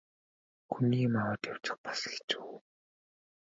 Хүний юм аваад явчих бас хэцүү.